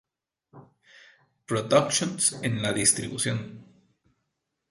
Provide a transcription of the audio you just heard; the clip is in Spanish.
Productions en la distribución.